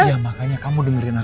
iya makanya kamu dengerin aku